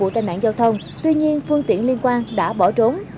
tại nạn giao thông tuy nhiên phương tiện liên quan đã bỏ trốn